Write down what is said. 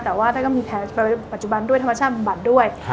แต่ว่าท่านก็มีแผลปัจจุบันด้วยธรรมชาติบำบัดด้วย